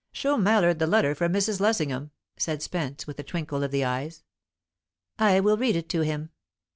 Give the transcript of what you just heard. "Show Mallard the letter from Mrs. Lessingham," said Spence, with a twinkle of the eyes. "I will read it to him."